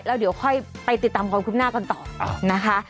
แล้วเดี๋ยวค่อยไปติดตามความคืบหน้ากันต่อนะคะ